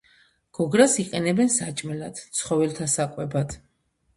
გოგრას იყენებენ საჭმელად, ცხოველთა საკვებად.